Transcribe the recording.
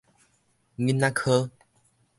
囡仔科